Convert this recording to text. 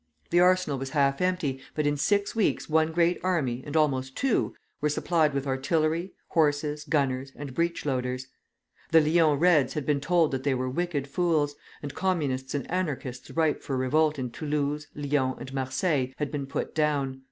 The arsenal was half empty, but in six weeks one great army, and almost two, were supplied with artillery, horses, gunners, and breech loaders. The Lyons Reds had been told that they were wicked fools, and Communists and Anarchists ripe for revolt in Toulouse, Lyons, and Marseilles had been put down.